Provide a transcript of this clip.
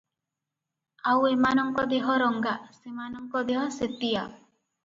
ଆଉ ଏମାନଙ୍କ ଦେହ ରଙ୍ଗା, ସେମାନଙ୍କ ଦେହ ଶେତିଆ ।"